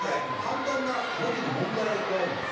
簡単な簿記の問題があるんですよ。